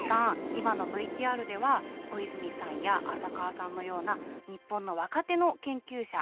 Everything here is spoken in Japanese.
今のＶＴＲでは小泉さんや浅川さんのような日本の若手の研究者見てきましたよね。